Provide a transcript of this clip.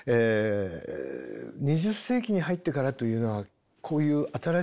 ２０世紀に入ってからというのはこういう新しいリズムへのアプローチ。